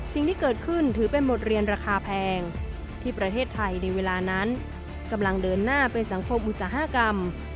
สิ่งที่เกิดขึ้นถือเป็นบทเรียนราคาแพงที่ประเทศไทยในเวลานั้นกำลังเดินหน้าไปสังคมอุตสาหกรรม